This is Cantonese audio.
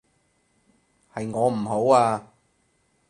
係我唔好啊